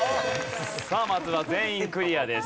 さあまずは全員クリアです。